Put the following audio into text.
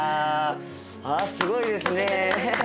すごいですね。